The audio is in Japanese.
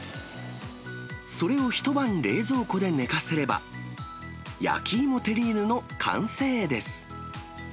それを一晩冷蔵庫で寝かせれば、焼き芋テリーヌの完成です。